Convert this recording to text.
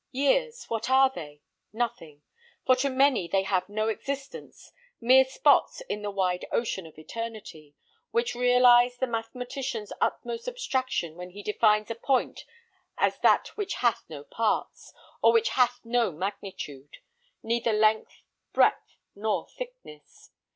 Years, what are they? Nothing: for to many they have no existence; mere spots in the wide ocean of eternity, which realize the mathematician's utmost abstraction when he defines a point as that which hath no parts, or which hath no magnitude neither length, breadth, nor thickness.